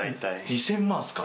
２０００万ですか。